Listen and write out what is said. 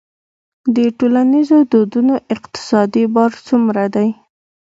د ټولنیزو دودونو اقتصادي بار څومره دی؟